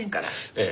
ええ。